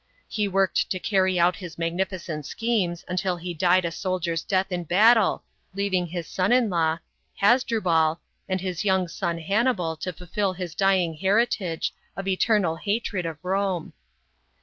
He worked to carry out his mag nificent schemes, until he died a soldier's death in battle, leaving his son in law, Hasdrubal, and his young son Hannibal to fulfil his dying heritage, of eternal hatred of Rome.